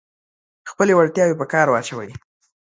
خپلې وړتیاوې په کار واچوئ.